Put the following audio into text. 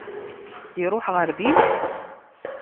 Iruḥ ɣer din?